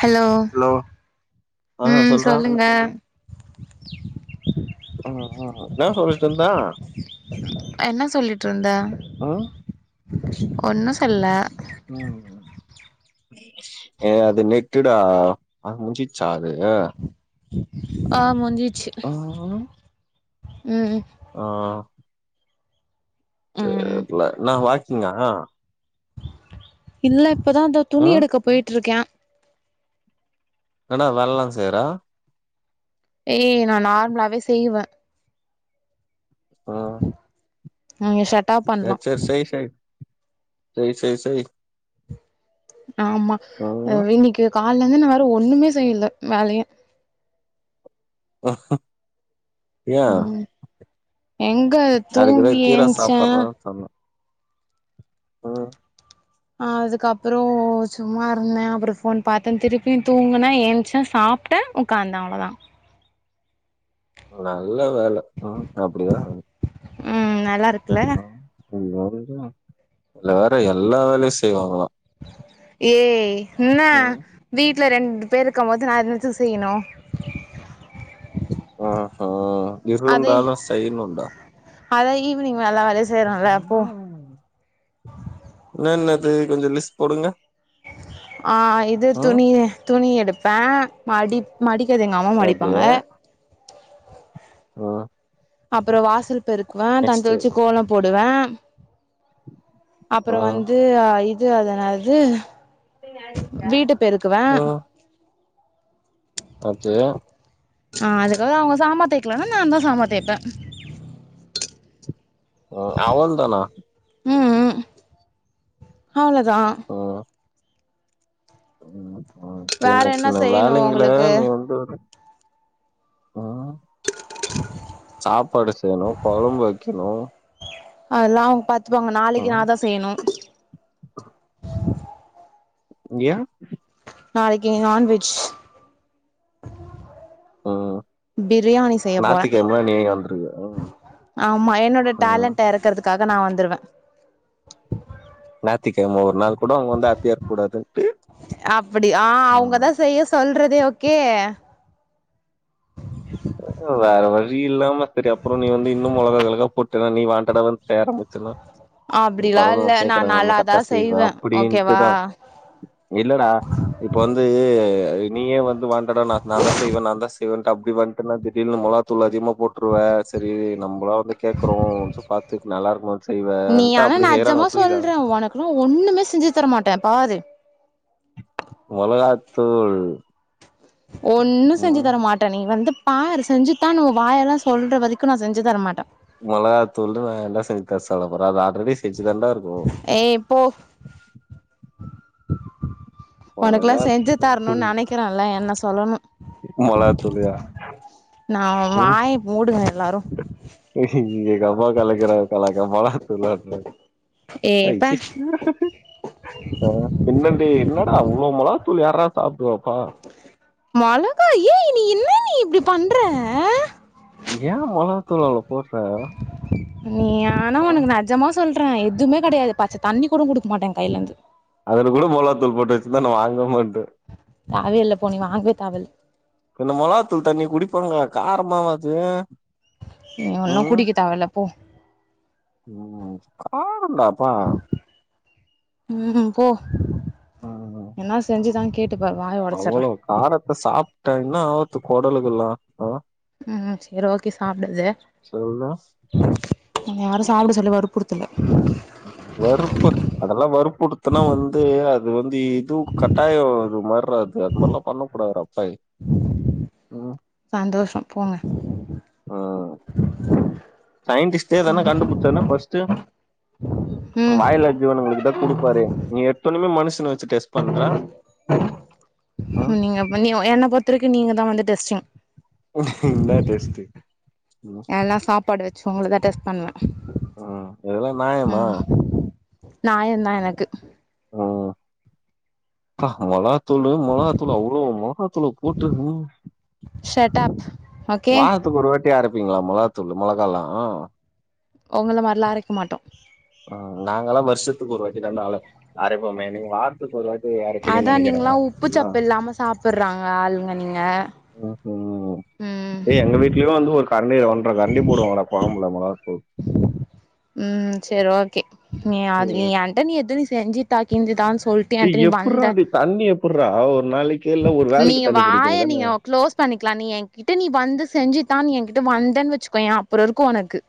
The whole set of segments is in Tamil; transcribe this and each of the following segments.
ஹலோ ஆ ம் சொல்றா சொல்லுங்க அ அ என்னா சொல்லிட்ருந்தே என்ன சொல்லிட்ருந்த ஆ ஒன்னு சொல்லல ம் ஏ அது நெட்டுடா அ முடிஞ்சிச்சா அது ஆ முடிஞ்சிச்சி ஆ ம் ஆ ம் தெர்ல என்னா வாக்கிங்கா இல்ல இப்பதாந்தோ துணி ம் எடுக்க போயிட்ருக்கே என வேல்லலா செய்யிற ஏய் நா நார்மலாவே செய்யிவே ஆ ம் ஷ சரி சரி செய் செய் செய் செய் செய் ஆமா அ ம் இன்னைக்கு கால்லருந்து நா வேற ஒண்ணுமே செய்யல வேலயு ஏ ம் எங்க அதுக்கு தா தூங்கி கீர ஏன்ச்சே சாப்புனுன்னு சொன்னே அ அதுக்கப்றோ சும்மா இருந்தே அப்றோ ஃபோன் பாத்தே திருப்பியு தூங்குனே ஏஞ்சே சாப் ட்டே உக்காந்தே அவ்ளோதா நல்ல வேல ம் அப்டிதா ம் நல்லா இருக்குல்ல ம் இதுல வேற எல்லா வேலையு செய்வாங்களா ஏய் இன்னா ம் வீட்ல ரெண்டு பேர் இருக்கும் போது நா என்னத்துக்கு செய்யனு அ ஹா அதே இருந்தாலு செய்னுண்டா அதா ஈவினிங் எல்லா வேலயு செய்றோல போ இன்னா இன்னது கொஞ்சோ லிஸ்ட் போடுங்க ஆஹ் இது ம் துணி துணி எடுப்பே மடி மடிக்கது எங்க அம்மா ஓகே மடிப்பாங்க உம் அப்றோ வாசல் பெருக்குவே நெக்ஸ்ட் தன்னித்தெளிச்சி கோலோ போடுவே அப்புறோ ம் வந்து இது அது என்னாது வீட்டுப் பெருக்குவே ச்சே அ அதுக்காக அவுங்க சாமா தேய்க்கலனா நா தா சாமா தேய்ப்பே ஓ அவ்ளதானா ம் ம் அவ்ளோதா ம் வேற சின்ன என்ன சின்ன செய்யணு வேலைங்ள உங்களுக்கு நீ வந்து ம் சாப்பாடு செய்யனு கொழம்பு வைக்கனு அதெல்லா அவுங்க பாத்துப்பாங்க நாளைக்கு ம் நாதா செய்யணு ஏ நாளக்கி நான்வெஜ் ஓஹ் பிரியாணி செய்ய போறே வந்துருவ ம் ஆமா என்னோட ம் டேலண்ட்ட எறக்குறதுக்காக நா வந்துருவே நாத்திக்கெழம ஒரு நாள் கூட அவுங்க வந்து ஹாப்பியா இருக்கூடாதுன்ட்டு அப்டி ஆ அவுங்கதா செய்ய சொல்றதே ஓகே வேற வழி இல்லாம சரி அப்புறோ நீ வந்து இன்னு மொளகா கிளகா போட் ட்டன்னா நீ வாண்ட்டடா வந்து தேரம்பிச்சுன்னா அப்டிலா பரவால இல்ல நா கேக்குறாங்கன்னு நல்லாதா கரெட்டா செய்வே ஓகேவா அப்டின்ட்டுதா இல்லடா இப்ப வந்து நீயே வந்து வாண்டடா நாதா செய்வே நாதா செய்வேன்ட்டு அப்டி வந் பாத்தன்னா திடீனு மொளகாத்தூள அதிகமா போட்டுருவே சரி நம்மளா வந்து கேக்குறோ பாத்து நல்லா இருக்குமான்னு செய்வே ட்டா அப்டி செய்றாங்க புரிதா ரு ஒண்ணுமே செஞ்சு தர மாட்டே பாரு மொளகா தூள் ஒன்னு செஞ்சு தர மாட் நீ வந்து பாரு செஞ்சுத்தானு ஒ வாயால சொல்ற வரிக்கு நா செஞ்சு தரமாட்டே மொளகாத்தூள்ல நா என்ன செஞ்சு தர சொல போறே அது ஆல்ரெடி செஞ்சு தாண்டா இருக்கு ஏ போ ஒனக்குலா செஞ்சு தரணுன் மிளகாத்தூள் நெனக்கிறேல என்ன சொல்லணு மிளகாத்தூளியா நா வாய் மூடுவே எல்லாரு இங்க தாமா கலக்கிற கல மொளகா தூள் ஏ பே [unintelligible] ஆ பின்னாடி என்னடா அவ்ளோ மொளகாத்தூள் யார்டா சாப்டுவா மொளகா ஏ நீ என்ன நீ இப்டி பண்ற ஏ மொளகாத் தூள் அவ்ளோ போட்ற நீ ஆனா ஒனக்கு நெஜமா சொல்றே எதுமே கெடையாது பச்ச தண்ணி கூட குடுக்க மாட்டேஎ கைலர்ந்து அதுல கூட மொளாத்தூள் போட்டு வச்சுர்ந்தா நா வாங்க மாட்டே தேவயில்ல போ நீ வாங்கவே தேவெல்ல இன்ன மொளகா தூள் தண்ணி குடிப்பாங்ளா காரமாவாது நீ ஒன்னு குடிக்க தேவெல்ல போ ம் காரண்டா அப்பா ம் போ ம். என்னா செஞ்சுதா கேட்டுப்பார் வாய ஒடச்சர்றே அவ்வளோ காரத்த சாப்ட்ட என்னா ஆவுர்து கொடலுகுல்ல ஆ ம் சேரி ஓகே சாப்டாத சொல்லு. ஒன்னய யாரு சாப்ட சொல்லி வற்புறுத்தல வறுப்புர் அதெல்லா வறுப்புருத்துனா வந்து அது வந்து எதொ கட்டாயொ இது மர்றா அது அதுமார்லா பண்ணக்கூடாது டா பவி ம் சந்தோஷொ போங்க ம் சயின்டிஸ்ட்டேதானா கண்டுபுட்ச்சனா ஃபஸ்ட்டு ம் வாயில்ல ஜீவனங்களுக்கு தா குடுப் ப்பாரு நீ எட்த்தோனமே மனுஷன வச்சு டெஸ்ட் பண்ற நீங்க நீ என்ன பொறுத்த வருக்கு நீங்க தா வந்து டெஸ்டிங் என்னா டெஸ்ட்டு ம் எல்லா சாப்பாடு வச்சு உங்கள தா டெஸ்ட் பண்ணுவே ம் இதெல்லா நாயமா நாயந் தா எனக்கு ம் ப்பா மொளாத்தூளு மொளகாத்தூளு அவ்ளோ மொளகாத்தூள போட்டு ம் ஷெட்டாப் வாரத்துக்கு ஒரு வாட்டி அரப்பிங்ளா மொளாத்தூள் மொளகால்லா ஒங்கள மார்லா அரைக்க மாட்டோ அ நாங்க எல்லா வர்ஷத்துக்கு ஒரு வாட்டி தாண்டா அழ அரப்போமே நீங்க வார ரத்துக் ஒரு வாட்டி அர அதா நீங்களா உப்பு சப்பு இல்லாம சாப்புட்றாங்க ஆளுங்க நீங்க ம் ஏ எங்க வீட்லயு வந்து ஒரு கரண்டி ஒன்ட்ற கரண்டி போடுவாங்கடா கொழம்புல மொளகாத்தூள் ம் சேரி ஓகே நீ அது நீ ம். நீ எதுனி செஞ்சு தா கிஞ்சிதானு சொல் டேய் எப்புட்றா அது தண்ணி எப்புட்றா ஒரு நாளக்கி இல்ல ஒரு நீ வேளக்கி தண்ணி வாய புடிப்பிங்களா இல்ல நீங்க க்ளோஸ் பண்ணிக்லா நீ என்கிட்ட நீ வந்து செஞ்சுதா நீ என்கிட்ட வந்தன் வச்சுக்கோயே அப்புறோ இருக்கு உனக்கு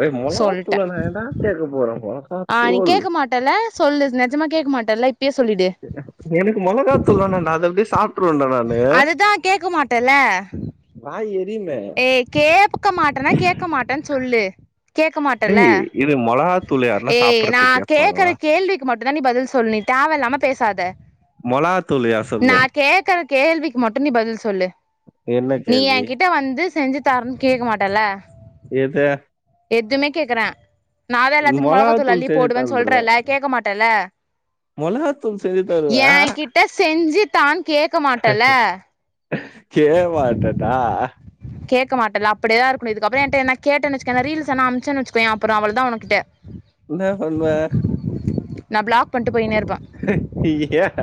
ஏய் சொல்ட்ட மொளாத்தூள்ள நா என்னா சேக்க போற மொ ஆ நீ கேட்க மாட்டல்ல சொல்லு நெஜமா கேட்க மாட்டல்ல இப்பயே சொல்லிடு எனக்கு மெளகாதூள் தானே நா அத அப்டியே சாப் ட்ருவேண்டா நானு அதுதா கேட்க மாட்டல வாய் எரிமே ஏ கேக்க மாட்டனா கேட்க மாட்டன்னு சொல்லு கேட்க மாட்டல்ல ஏய் இது மிளகாத்தூள் யாருன்னா ஏய் நா சாப்பிடறதுக்கு கேக்குற கேட்பாங்களா கேள்விக் கு மட்டு தா நீ பதில் சொல் நீ தேவயில்லாம பேசாத மிளகாத்தூள் யார் சொல்லு நா கேட் க்குற கேள்விக்கு மட்டு நீ பதில் சொல்லு என்ன நீ கேள்வி என் கிட்ட வந் து செஞ்சு தருன் கேட்க மாட்டல்ல எத எதுமே கேக்குற நா தா எல்லாத்துக்கு மொளகத்தூள் மொளகாத்தூள் அள்ளி செஞ்சு போடுவன் தந்துருவேன் சொல்றல்ல கேட்க மாட்டல்ல மொளகாத்தூள் செஞ்சு தருவேன் ஏன் கிட்ட செஞ்சு தான் கேட்க மாட்டல கே மாட்டடா கேக்க மாட்டல்ல அப்டியேதா இருக்கனு இதுக்கப்பறோ என்ட எதனா கேட்டன் வச்சுகயே நா ரீல்ஸ் என்னா அமுச்சன் வச்சுக்கோயே அப்புறோ அவள்தா உனகிட்ட என்ன பண்வ நா பிளாக் பண்ட்டு போய்னே இருப்பே ஏன்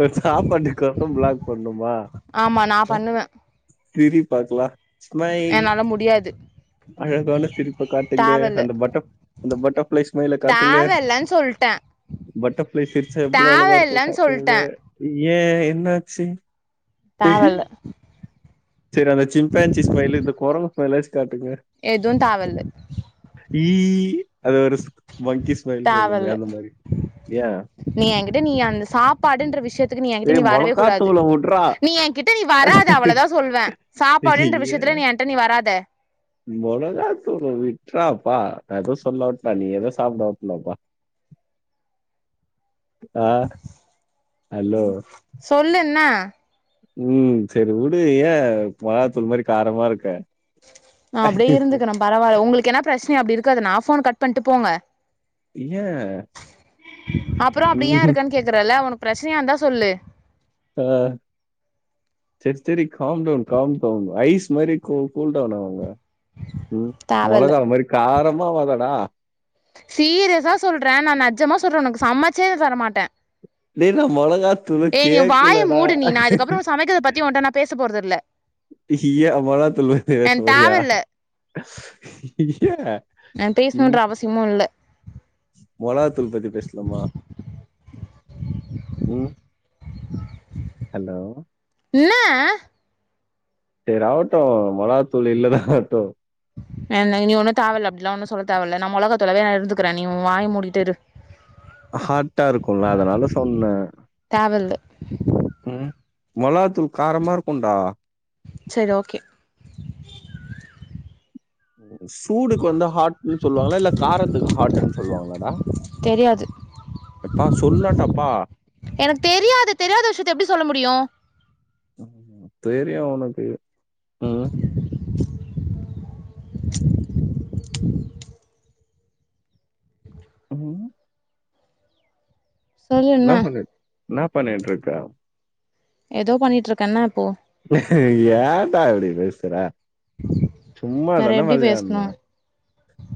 ஒரு சாப்பாட்டுக் கோசோ பிளாக் பண்ணுமா ஆமா நா பண்ணுவ சிரி பாக்லா என்னால முடியாது அழகான சிரிப்ப காட்டுங்க தேவல்ல அந்த பட்ட அந்த பட்டர்ஃப்ளை ஸ்மைல காட்டுங்க தேவல்லன்னு சொல்ட்டே பட்ட சிரிச்சா எவ்ளோ தேவ அழகா இருக்கு இல்லன்னு காட்டுங்க சொல்ட்டே ஏன் என்னாச்சு தேவல்ல செரி அந்த சிம்பேன்சி ஸ்மைலு இந்த குரங்கு ஸ்மைல்லாச்சு காட்டுங்க எதுந் தேவல்ல ஈ அது ஒரு மங்கி ஸ்மைல் பண்ணுமே தேவல்ல அந்த மாரி ஏன் நீ என்கிட்ட நீ அந்த சாப்பாடுன்ற விஷ்யத் க்கு நீ என் கிட்ட நீ ஏய் வரவே கூடாது மிளகாத்தூளை விட்றா நீ என் கிட்ட நீ வராத அவ்வள தா சொல்வ சாப்பாடுன்ற விஷயத்துல நீ என் கிட்ட நீ வராத மொளகா தூள விட்றப்பா நா எது சொல்ல வரல நீ ஏதோ சாப்ட [unintelligible] வா ஆ ஹலோ ம் சொல்லு என்னா ம் செரி விடு ஏ மொளவாத்தூள் மாரி காரமா இருக்க நா அப்டியே இருந்துக்குற பரவாயில்ல உங்களுக்கு எனா ப்ரச்சனையா அப்டி இருக்கது‌னா போன கட் பண்ட்டு போங்க ஏ அப்பறோ அப்டி ஏன் இருக்கன்னு கேக்குறல உனக்கு பிரச்சனையா இருந்தா சொல்லு ஆ செரி செரி calm down calm down ice மாறி கூல் கூல்டவுன் ஆவுங்க ம் தேவல்ல மொளகா மாரி காரமா ஆவதடா சீரியஸா சொல்ற நா நெஜமா சொல்ற உனக்கு சமச்சே தரமாட்ட டேய் நா மொளகா ஏ நீ வாய மூடு நீ நா இதுக்கப்புறோ சமைக்கிறத பத்தி உன்ட்ட நா பேச போறதில்ல இ யா மொளகா தூள் பத்தி பேச எனக்கு போறியா தேவல்ல யே ல்னோன்ற அவசியமு இல்ல மொளக தூள் பத்தி பேசலாமா ம் ஹலோ இன்னா செரி ஆவட்டு மொளாகாத்தூள் இல்லனா ஆவட்டு அ நீ நீ ஒன்னு தேவல்ல அப்படிலா ஒன்னு சொல்ல தேவல்ல நா மொளகாத்தூளாவே நா இருத்துகிறே நீ உ வாய மூடிகிட்டு இரு ஹாட்டா இருக்குல்ல அதனால சொன்னே தேவெல்ல ம் மொளகாத்தூள் காரமா இருக்குன்டா செரி ஓகே சூடுக்கு வந்து ஹாட்ன்னு சொல்லுவாங்களா இல்ல காரத்துக்கு ஹாட்டுன் சொல்லுவாங்ளாடா தெரியாது சொல்லேன்டாப்பா. எனக்கு தெரியாது தெரியாத விஷியத்த எப்டி சொல்ல முடியு ம் தெரியு உனக்கு ம் ம் சொல்லு என்ன இன்னா பண்ணி இன்னா பண்ணிட்ருக்க எதோ பண்ணிட்ருக்கே இன்னா இப்போ ஏன்டா இப்படி பேசுற வேற சும்மாதான எப்டி பேசணு வெளயாட்னே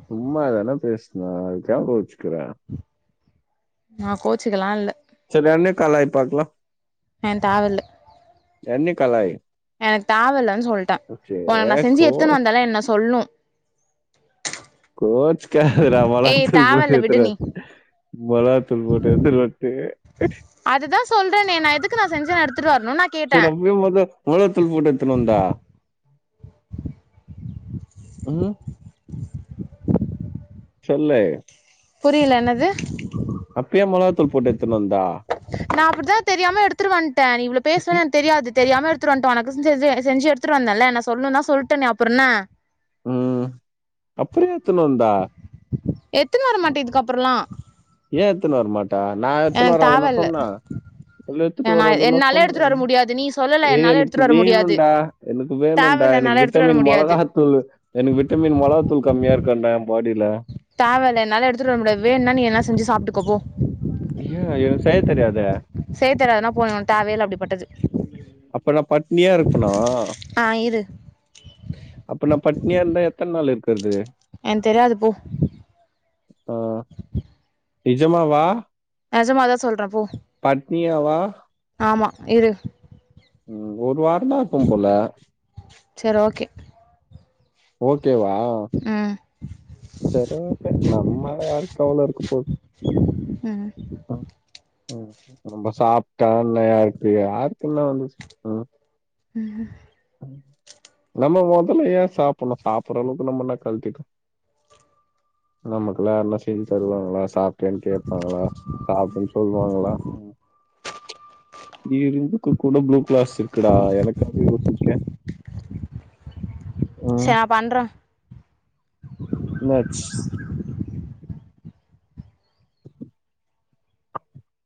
சும்மா தான பேஸ்னே அதுக் ஏ கோச்சுக்கிற நா கோச்சுக்கெலா இல்ல செரி என்ன கலாய் பாக்லா என் தேவெல்ல என்யி கலாய் எனக் தேவெல்லன் சொல்ட்டே சே உனக்கு நா செஞ்சு எட்த்துனு கோச் வந்தேல என்ன சொல்னு கோச்சுக்காதடா மொளகாத்தூள் போட்டு தேவல்ல விடு நீ அத்துடன் வந் மொள காத்தூள் போட்டு எத்துனு வந்ட்டு அதுதா சொல்றேன்னே நா எதுக்கு நா செஞ்சு நா எடுத்துட்டு வரணுன் நா கேட்டே [unintelligible] பாத்தா மொளாகாத்தூள் போட்டு எத்துனு வந்தா ம் சொல்லு புரியல என்னது அப்ப ஏ மொளகாத்தூள் போட்டு எத்துன் வந்த நா அப்படிதா தெரியாம எடுத்துட்டு வந்ட்டே நீ இவ்ளோ பேசுவேன் எனக் தெரியாது தெரியாம எடுத் துட்டு வந்ட்டே உனக்கு செ செஞ்சு எடுத்துட்டு வந்தேன்ல என்ன சொல்னுந்தா சொல்ட்டனே அப்புறன்ன அப்புற ஏ எத்தனு வந்த எத்தனு வரமாட்டே இதுக்கப்புறலா ஏ எத்துனு வரமாட்ட நா எத்துனு எனக்கு வராதனா தேவல்ல சொன்னே இல்ல எத்துட்டு நா வராதனா என்னால சொன்னே எடுத்துட்டு வர ம் முடியாது நீ சொல்லல ஏ என்னால எனக்கு எடுத்துட்டு வர முடியாது வேணுண்டா எனக்கு வேணுண்டா தேவல்ல என்னால எனக்கு எடுத்துட்டு வர விட்டமின் முடியாது மொளகாத்தூளு எனக்கு விட்டமின் மொளகாத்தூள் கம்மியா இருக்கான்டா ஏ பாடியில தேவல்ல என்னால எடுத்துட்டு வர முடியாது வேனுன்னா நீ எதுனா செஞ்சு சாப்டுக்கோ போ ஐய்யா எனக் செய்ய தெரியாதே செயத் தெரியாதுன்னா போ எனக் தேவயேல்ல அப்டிப்பட்டது அப்ப நான் பட்னியா இருப்பனா? ஆ இரு அப்ப நா பட்னியா இருந்தா எத்தன நாள் இருக்கறது எனக் தெரியாது போ ஆ நிஜமாவா நெஜமாதா சொல்ற போ பட்னியாவா ஆமா இரு ம் ஒரு வாரந்தா இருப்ப போல சரி ஓகே ஓகேவா ம் செரி ஓகே நம்மால யாருக்கு கவல இருக்கப்போது ம் ம் ம் நம்ப சாப்ட்டா இல்லையா இப்டி யாருக்கு என்ன வந்துச்சு ம் ம் நம்ம மொதல்ல ஏ சாப்புட்ணு சாப்புடுற அளவுக்கு நம்ம என்ன கழட்டிட்டோ நமக்குல்லா யாரனா செஞ்சுத் தருவாங்களா சாப்ட்டியான்னு கேப்பாங்களா சாப்டுன்னு சொல்லுவாங்களா ஈருயிர்க்கு கூட ப்ளு கிராஸ் இருக்குடா எனக்காக யோசி க்க ம் சரி நா பண்றே நட்ஸ்